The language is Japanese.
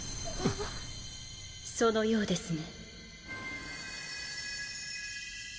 そのようですね。